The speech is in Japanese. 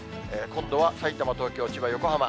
今度はさいたま、東京、千葉、横浜。